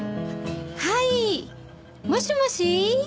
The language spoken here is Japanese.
はいもしもし？